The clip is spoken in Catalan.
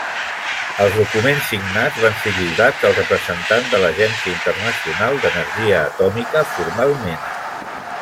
Els documents signats van ser lliurats al representant de l'Agència Internacional d'Energia Atòmica formalment.